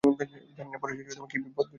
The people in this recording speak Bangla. জানি না পরিশেষে কি বিপদ ঘটিবেক।